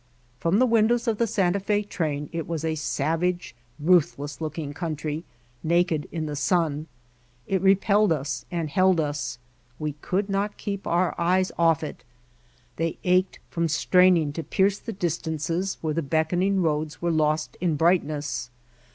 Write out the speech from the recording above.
From the windows of the Santa Fe train it was a savage, ruthless looking country, naked in the sun. It repelled us and held us, we could not keep our eyes ofif it. They ached from straining to pierce the distances where the beckoning roads were lost in bright ness.